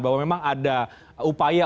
bahwa memang ada upaya